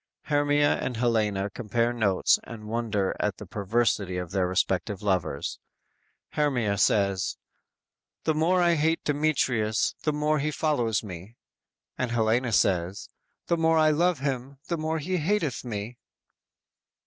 "_ Hermia and Helena compare notes and wonder at the perversity of their respective lovers. Hermia says: "The more I hate Demetrius, the more he follows me;" And Helena says: _"The more I love him, the more he hateth me!"